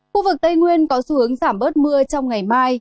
khu vực tây nguyên có xu hướng giảm bớt mưa trong ngày mai